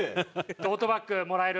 トートバッグもらえる。